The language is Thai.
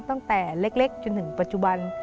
ตั้งแต่เล็กจนถึงปัจจุบัน